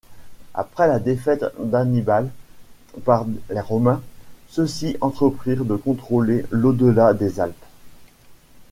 Après la défaite d'Hannibal par les Romains, ceux-ci entreprirent de contrôler l'au-delà des Alpes.